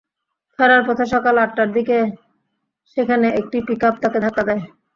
ফেরার পথে সকাল আটটার দিকে সেখানে একটি পিকআপ তাঁকে ধাক্কা দেয়।